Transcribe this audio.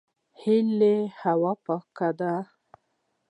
هلته هوا پاکه ده